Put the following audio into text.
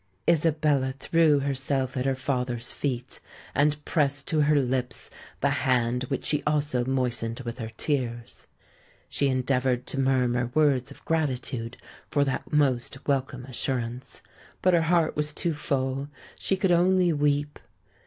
_'" Isabella threw herself at her father's feet, and pressed to her lips the hand which she also moistened with her tears. She endeavoured to murmur words of gratitude for that most welcome assurance; but her heart was too full—she could only weep!